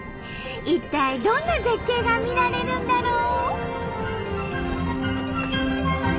一体どんな絶景が見られるんだろう？